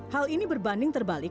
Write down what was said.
hal ini berbanding terbalik